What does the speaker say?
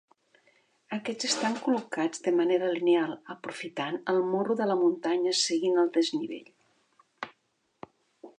Aquests estan col·locats de manera lineal aprofitant el morro de la muntanya seguint el desnivell.